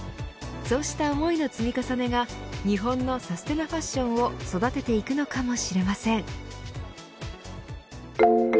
そうした思いの積み重ねが日本のサステナファッションを育てていくのかもしれません。